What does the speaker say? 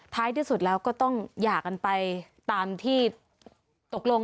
ที่สุดแล้วก็ต้องหย่ากันไปตามที่ตกลง